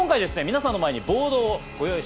皆さんの前にボードをご用意しました。